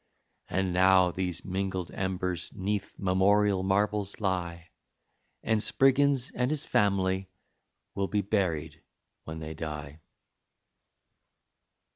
And now these mingled embers 'neath memorial marbles lie, And Spriggins and his family will be buried when they die.